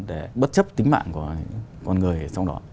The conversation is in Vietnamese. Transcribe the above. để bất chấp tính mạng của con người trong đó